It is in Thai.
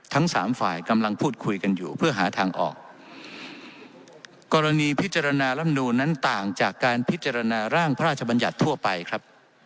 ทั้งสามฝ่ายกำลังพูดคุยกันอยู่เพื่อหาทางออกกรณีพิจารณาลำนูนนั้นต่างจากการพิจารณาร่างพระราชบัญญัติทั่วไปครับ